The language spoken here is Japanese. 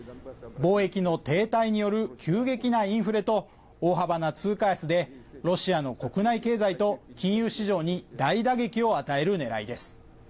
貿易の停滞による急激なインフレと大幅な通貨安でロシアの国内経済と金融市場に大打撃を与える狙いです。